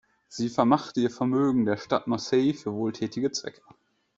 Sie vermachte ihr Vermögen der Stadt Marseille für wohltätige Zwecke.